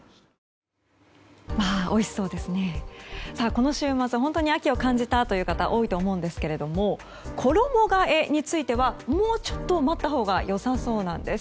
この週末、本当に秋を感じた方が多いと思うんですけれども衣替えについてはもうちょっと待ったほうがよさそうなんです。